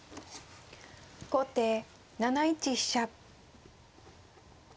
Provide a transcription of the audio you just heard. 後手７一飛車。